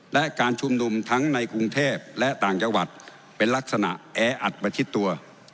และการชุมนุมทั้งในกรุงเทพและต่างจังหวัดเป็นลักษณะแออัดประชิดตัว